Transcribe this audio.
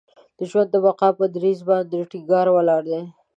د ژوند د بقا پر دریځ باندې ټینګ ولاړ دی.